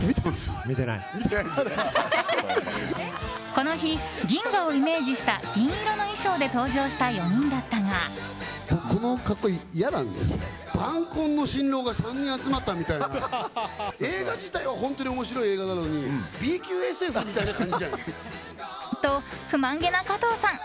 この日、銀河をイメージした銀色の衣装で登場した４人だったが。と、不満げな加藤さん。